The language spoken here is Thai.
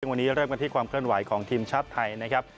วันนี้เริ่มกันที่ความเคลื่อนไหวของทีมชาติไทยนะครับ